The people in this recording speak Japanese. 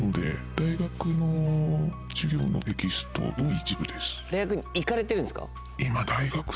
大学に行かれてるんですか？